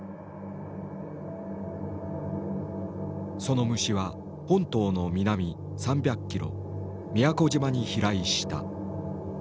その虫は本島の南３００キロ宮古島に飛来した。